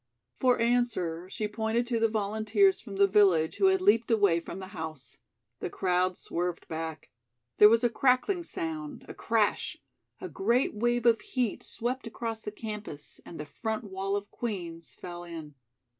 For answer she pointed to the volunteers from the village who had leaped away from the house. The crowd swerved back. There was a crackling sound, a crash; a great wave of heat swept across the campus and the front wall of Queen's fell in.